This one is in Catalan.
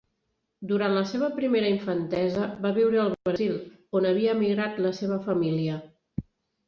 Durant la seva primera infantesa va viure al Brasil, on havia emigrat la seva família.